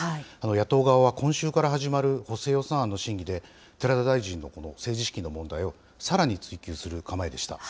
野党側は今週から始まる補正予算案の審議で、寺田大臣のこの政治資金の問題をさらに追及する構えでした。